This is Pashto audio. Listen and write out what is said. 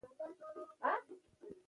تاریخ د تېرو زمانو د پېښو رښتينی انځور دی.